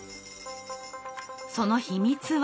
その秘密は？